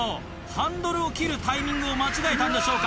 ハンドルを切るタイミングを間違えたんでしょうか？